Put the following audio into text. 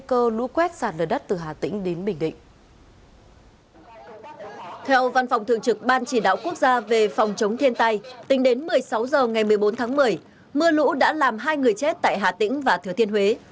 mưa lũ đã làm hai người chết tại hà tĩnh và thừa thiên huế